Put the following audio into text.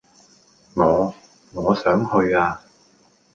我……我想去呀！